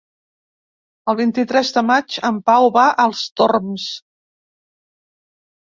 El vint-i-tres de maig en Pau va als Torms.